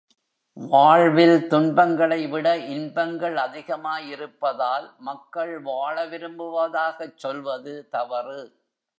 வாழ்வில் துன்பங்களைவிட இன்பங்கள் அதிகமாயிருப்பதால், மக்கள் வாழ விரும்புவதாகச் சொல்வது தவறு.